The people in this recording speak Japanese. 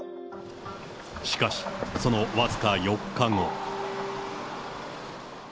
しかし、その僅か４日後。